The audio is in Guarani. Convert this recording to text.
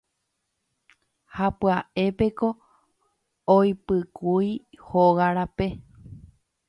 Ha pya'épeko oipykúi hóga rape.